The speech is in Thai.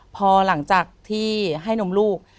พอหลังจากที่ให้นมลูก